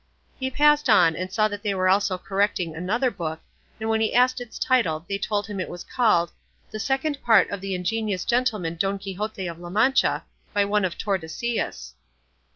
He passed on, and saw they were also correcting another book, and when he asked its title they told him it was called, "The Second Part of the Ingenious Gentleman Don Quixote of La Mancha," by one of Tordesillas.